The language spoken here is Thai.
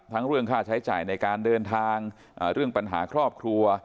เรื่องค่าใช้จ่ายในการเดินทางเรื่องปัญหาครอบครัว